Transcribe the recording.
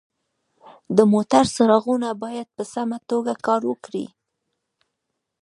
د موټر څراغونه باید په سمه توګه کار وکړي.